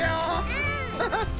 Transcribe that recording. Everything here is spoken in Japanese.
うん！